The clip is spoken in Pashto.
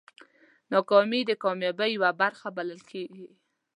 ناکامي د کامیابۍ یوه برخه بلل کېږي.